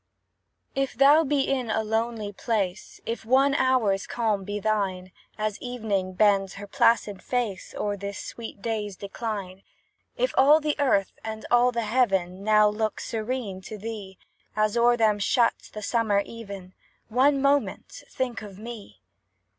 If thou be in a lonely place, If one hour's calm be thine, As Evening bends her placid face O'er this sweet day's decline; If all the earth and all the heaven Now look serene to thee, As o'er them shuts the summer even, One moment think of me!